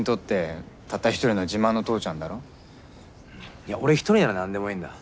いや俺一人なら何でもいいんだ。